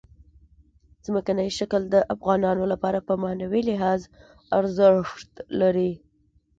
ځمکنی شکل د افغانانو لپاره په معنوي لحاظ ارزښت لري.